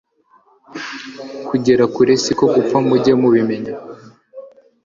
kugera kure si ko gupfa mujye mubimenya